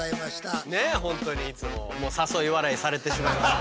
ねえ本当にいつも誘い笑いされてしまいます。